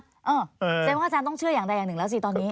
แสดงว่าอาจารย์ต้องเชื่ออย่างใดอย่างหนึ่งแล้วสิตอนนี้